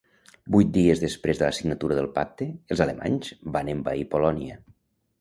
Vuit dies després de la signatura del pacte, els alemanys van envair Polònia.